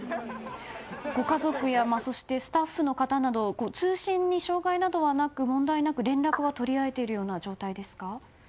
ご家族やスタッフの方など通信に障害などはなく問題なく連絡を取り合えてる状態ですか？